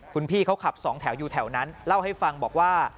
คุณพี่เขาขับสองแถวอยู่แถวนั้นเล่าให้ฟังบอกว่า